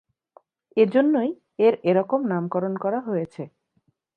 এজন্যই এর এরকম নামকরণ করা হয়েছে।